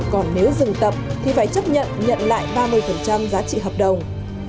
còn nếu dừng tập thì phải chấp nhận nhận lại ba mươi giá trị hợp đồng